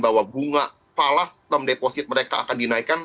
bahwa bunga falas term deposit mereka akan dinaikkan